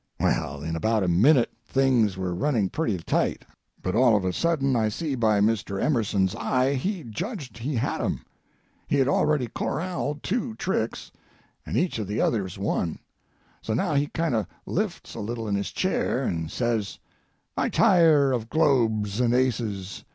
Well, in about a minute things were running pretty tight, but all of a sudden I see by Mr. Emerson's eye he judged he had 'em. He had already corralled two tricks, and each of the others one. So now he kind of lifts a little in his chair and says: "'I tire of globes and aces!